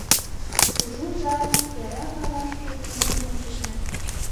Кужу жап яра кавашке тӱткын ончышна.